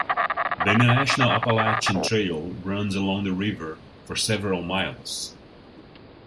The International Appalachian Trail runs along the river for several miles.